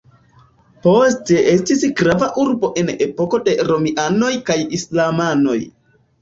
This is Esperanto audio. Poste estis grava urbo en epoko de romianoj kaj islamanoj.